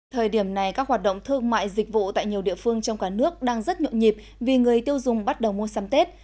thời điểm này các hoạt động thương mại dịch vụ tại nhiều địa phương trong cả nước đang rất nhộn nhịp vì người tiêu dùng bắt đầu mua sắm tết